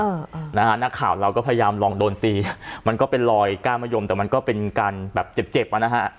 นะฮะนักข่าวเราก็พยายามลองโดนตีมันก็เป็นรอยก้านมะยมแต่มันก็เป็นการแบบเจ็บเจ็บอ่ะนะฮะ